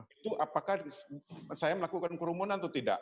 itu apakah saya melakukan kerumunan atau tidak